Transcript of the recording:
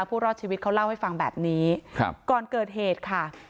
ผู้รอดชีวิตเขาเล่าให้ฟังแบบนี้ครับก่อนเกิดเหตุค่ะ